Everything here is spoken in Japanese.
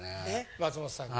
松本さんに。